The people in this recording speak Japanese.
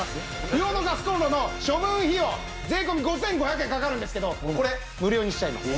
不要のガスコンロの処分費用税込５５００円かかるんですけどこれ無料にしちゃいます。